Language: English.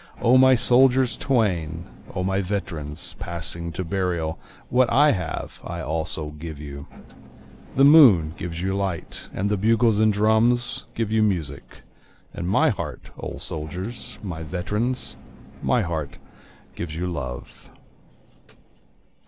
O my soldiers twain! O my veterans passing to burial! What I have I also give you. The moon gives you light, And the bugles and the drums give you music, And my heart, O my soldiers, my veterans, My heart gives you love.